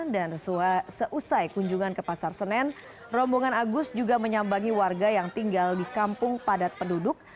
dan sesuai kunjungan ke pasar senen rombongan agus juga menyambangi warga yang tinggal di kampung padat penduduk